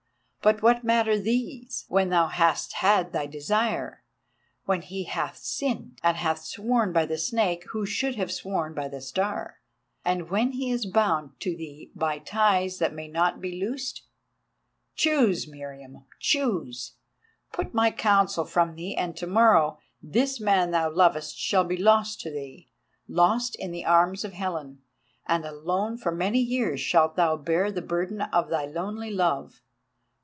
But what matter these when thou hast had thy desire, when he hath sinned, and hath sworn by the Snake who should have sworn by the Star, and when he is bound to thee by ties that may not be loosed? Choose, Meriamun, choose! Put my counsel from thee and to morrow this man thou lovest shall be lost to thee, lost in the arms of Helen; and alone for many years shalt thou bear the burden of thy lonely love.